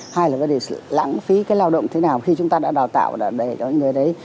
hay là vấn đề lãng phí cái lao động thế nào khi chúng ta đã đào tạo người đấy